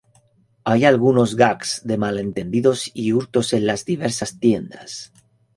Hay algunos gags de malentendidos y hurtos en las diversas tiendas.